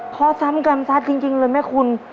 ขอจำกรรมซาสตร์จริงเลยแม่คุณ